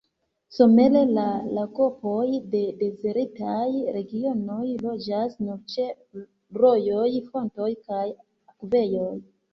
Somere la lagopoj de dezertaj regionoj loĝas nur ĉe rojoj, fontoj kaj akvejoj.